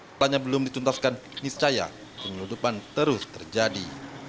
setelahnya belum dicuntaskan miscaya penyelundupan terus terjadi